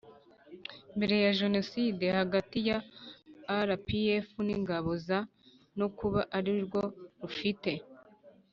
Mbere ya jenoside hagati ya rpf n ingabo za no kuba arirwo rufite